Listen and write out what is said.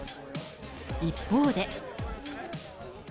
一方で。